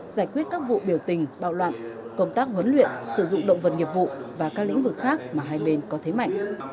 giải quyết các vụ biểu tình bạo loạn công tác huấn luyện sử dụng động vật nghiệp vụ và các lĩnh vực khác mà hai bên có thế mạnh